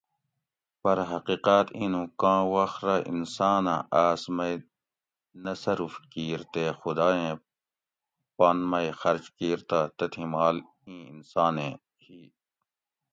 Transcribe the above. پرہ حقیقاۤت اِیں نوں کاں وخت رہ انسانہ آس مئ نصرف کِیر تے خدایٔیں پن مئ خرچ کیر تہ تتھیں مال ایں انسانیں ہی